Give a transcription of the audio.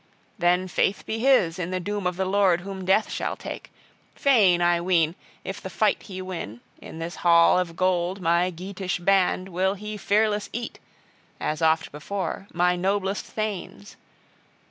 Then faith be his in the doom of the Lord whom death shall take. Fain, I ween, if the fight he win, in this hall of gold my Geatish band will he fearless eat, as oft before, my noblest thanes.